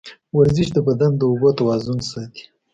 ورزش د بدن د اوبو توازن ساتي.